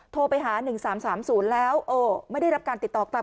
โทรไปหา๑๓๓๐แล้วไม่ได้รับการติดต่อกลับ